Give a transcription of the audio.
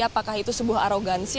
apakah itu sebuah arogansi